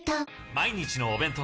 毎日のお弁当。